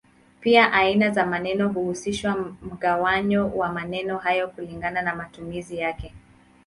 Pia aina za maneno huhusisha mgawanyo wa maneno hayo kulingana na matumizi yake.